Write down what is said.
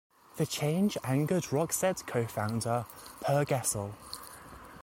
The change angered Roxette co-founder Per Gessle.